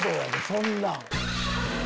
そんなん。